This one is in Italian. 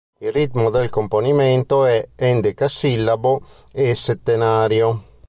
Il ritmo del componimento è endecasillabo e settenario.